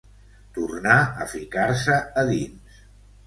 Tornà a ficar-se a dins.